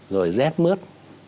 rồi rét mướt